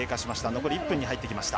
残り１分に入ってきました。